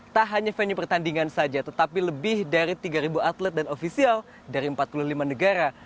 tak hanya venue pertandingan saja tetapi lebih dari tiga atlet dan ofisial dari empat puluh lima negara